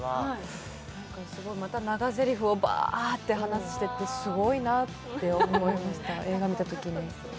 また長ぜりふをバーって話しててすごいなって思いました、映画見たときに。